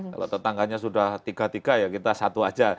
kalau tetangganya sudah tiga tiga ya kita satu aja